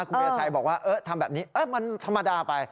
คุณวิราชัยบอกว่าทำแบบนี้มันธรรมดาไป